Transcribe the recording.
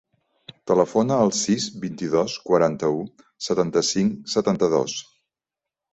Telefona al sis, vint-i-dos, quaranta-u, setanta-cinc, setanta-dos.